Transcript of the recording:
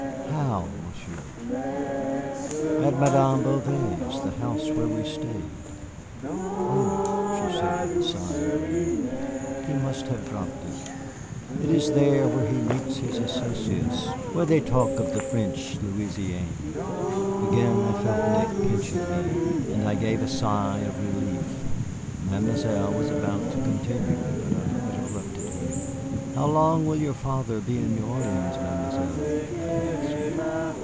How, Monsieur?" "At Madame Bouvet's, the house where we stayed." "Oh," she said with a sigh of relief, "he must have dropped it. It is there where he meets his associates, where they talk of the French Louisiane." Again I felt Nick pinching me, and I gave a sigh of relief. Mademoiselle was about to continue, but I interrupted her. "How long will your father be in New Orleans, Mademoiselle?" I asked.